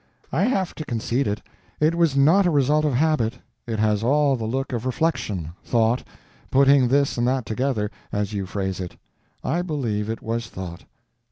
I have to concede it. It was not a result of habit; it has all the look of reflection, thought, putting this and that together, as you phrase it. I believe it was thought.